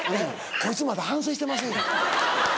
こいつまだ反省してませんよ！